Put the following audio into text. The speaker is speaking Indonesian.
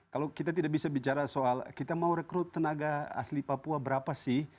kalau kita tidak bisa bicara soal kita mau rekrut tenaga asli papua berapa sih